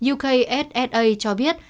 ukssa cho biết